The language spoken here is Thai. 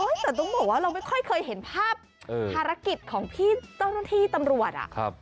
แต่ต้องบอกว่าเราไม่ค่อยเคยเห็นภาพภารกิจของพี่เจ้าหน้าที่ตำรวจ